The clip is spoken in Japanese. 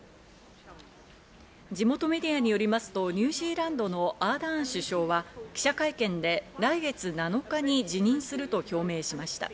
地元メディアによりますと、ニュージーランドのアーダーン首相は記者会見で来月７日に辞任すると表明しました。